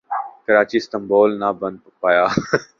Karachi Istanbul نہ بن پایا